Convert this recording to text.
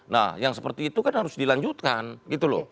nah yang seperti itu kan harus dilanjutkan gitu loh